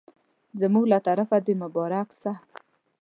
زموږ له طرفه دي هم مبارک سه